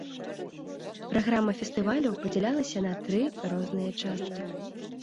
Праграма фестывалю падзялялася на тры розныя часткі.